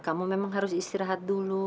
kamu memang harus istirahat dulu